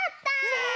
ねえ！